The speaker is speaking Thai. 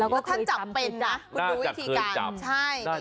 แล้วก็ถ้าจับเป็นนะคุณดูวิธีการใช่